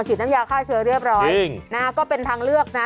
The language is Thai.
ฉีดน้ำยาฆ่าเชื้อเรียบร้อยก็เป็นทางเลือกนะ